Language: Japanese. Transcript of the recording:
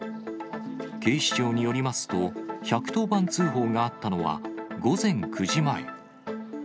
警視庁によりますと、１１０番通報があったのは、午前９時前。